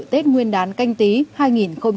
tết nguyên đán canh tý hai nghìn hai mươi